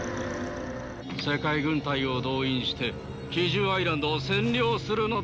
世界軍隊を動員して奇獣アイランドを占領するのだ。